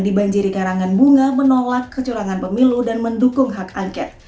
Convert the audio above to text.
dibanjiri karangan bunga menolak kecurangan pemilu dan mendukung hak angket